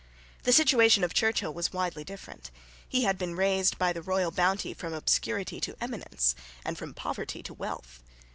The situation of Churchill was widely different. He had been raised by the royal bounty from obscurity to eminence, and from poverty to wealth.